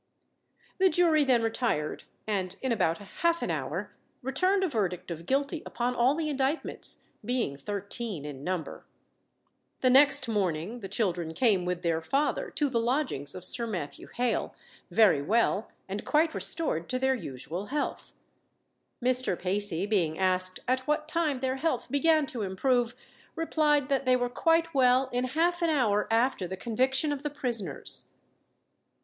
The jury then retired, and in about half an hour returned a verdict of guilty upon all the indictments, being thirteen in number. The next morning the children came with their father to the lodgings of Sir Matthew Hale, very well, and quite restored to their usual health. Mr. Pacey, being asked at what time their health began to improve, replied, that they were quite well in half an hour after the conviction of the prisoners.